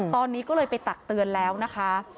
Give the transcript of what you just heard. ตอนนี้ก็เลยไปตักเตือนแล้วนะคะ